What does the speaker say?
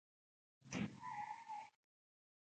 د خپل یار پر بدو خاندې او هوسیږم.